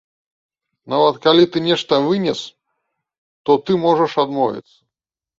Нават калі ты нешта вынес, то ты можаш адмовіцца.